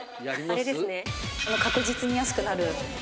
あれですね。